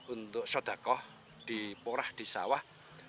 untuk sodakoh di porah di sawah